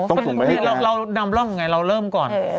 โอ้โหเราเริ่มก่อน